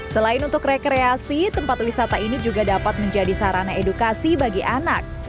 selain untuk rekreasi tempat wisata ini juga dapat menjadi sarana edukasi bagi anak